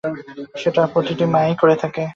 সেটা প্রতিটি মা-ই করে থাকে।